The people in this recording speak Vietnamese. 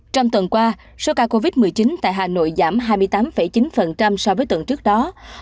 trong tuần qua số ca covid một mươi chín tại hà nội giảm hai mươi tám chín so với tuần trước đó